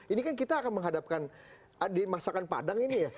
ini kan kita akan menghadapkan di masakan padang ini ya